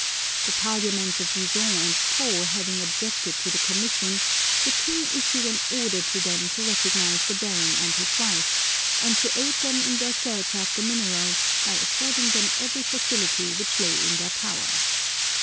The Parliaments of Dijon and Pan having objected to the commission, the king issued an order to them to recognise the Baron and his wife, and to aid them in their .search after minerals by affording them every facility which lay in their power.